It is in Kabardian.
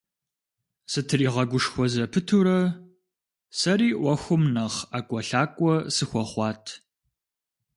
Сытригъэгушхуэ зэпытурэ, сэри Ӏуэхум нэхъ ӀэкӀуэлъакӀуэ сыхуэхъуат.